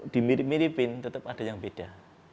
dimirip miripin tetap ada yang beda